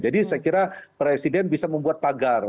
jadi saya kira presiden bisa membuat pagar